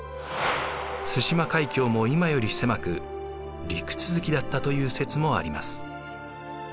対馬海峡も今より狭く陸続きだったという説もあります。